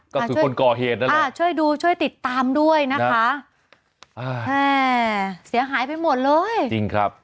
ก็คือคนก่อเหตุนั่นแหละช่วยดูช่วยติดตามด้วยนะคะอ่าแม่เสียหายไปหมดเลยจริงครับ